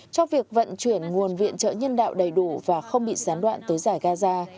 cho việc vận chuyển nguồn viện trợ nhân đạo đầy đủ và không bị gián đoạn tới giải gaza